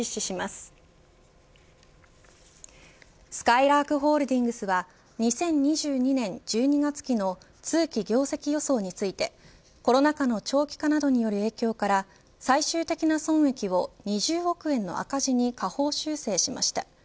すかいらーくホールディングスは２０２２年１２月期の通期業績予想についてコロナ禍の長期化などによる影響から最終的な損益を２０億円の赤字に下方修正しました。